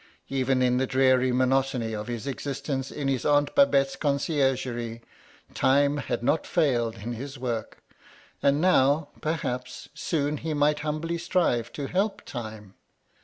Even in the dreary monotony of this existence in his Aunt Babette's conciergerie, Time had not failed in his work, and now, perhaps, soon he might humbly strive to help Time.